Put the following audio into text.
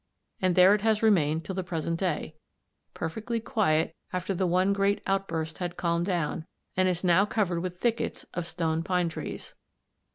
And there it has remained till the present day, perfectly quiet after the one great outburst had calmed down, and is now covered with thickets of stone pine trees.